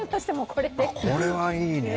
これはいいね。